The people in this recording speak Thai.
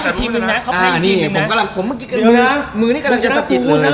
ดีกว่าก็ไม่มี๑๐กว่านั้นอ่ะ